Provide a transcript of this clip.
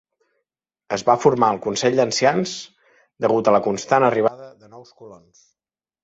Es va formar el consell d"ancians degut a la constant arribada de nous colons.